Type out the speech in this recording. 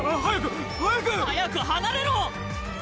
早く！早く！早く離れろ！